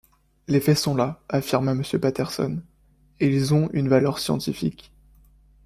Les faits sont là, affirma Monsieur Patterson, et ils ont une valeur scientifique.